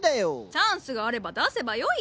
チャンスがあれば出せばよい。